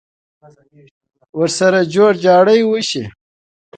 ورسره جوړ جاړی وشي.